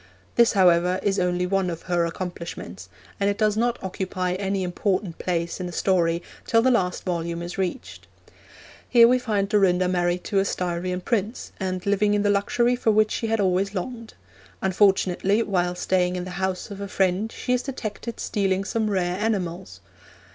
This, however, is only one of her accomplishments, and it does not occupy any important place in the story till the last volume is reached. Here we find Dorinda married to a Styrian Prince, and living in the luxury for which she had always longed. Unfortunately, while staying in the house of a friend she is detected stealing some rare enamels.